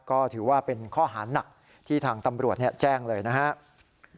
ก็ถือว่าเป็นข้อหาหนักที่ทางตำรวจแจ้งเลยนะครับ